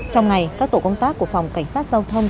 trong ngày các tổ công tác của phòng cảnh sát giao thông